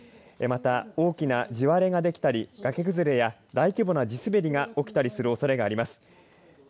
また、大きな地割れができたり崖崩れや大規模な地すべりが起きたりするおそれがあります。